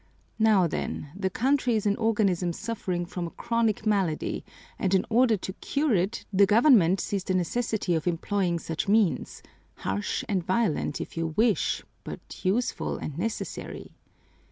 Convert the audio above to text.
Now then, the country is an organism suffering from a chronic malady, and in order to cure it, the government sees the necessity of employing such means, harsh and violent if you wish, but useful and necessary."